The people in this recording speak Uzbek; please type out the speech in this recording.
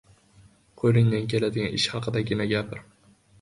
• Qo‘lingdan keladigan ish haqidagina gapir.